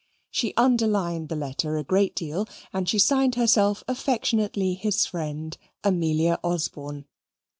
She underlined the letter a great deal, and she signed herself affectionately his friend, Amelia Osborne.